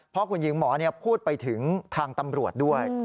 เพราะคุณหญิงหมอพูดไปถึงทางตำรวจด้วย